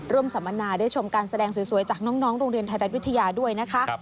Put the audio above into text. สัมมนาได้ชมการแสดงสวยจากน้องโรงเรียนไทยรัฐวิทยาด้วยนะคะ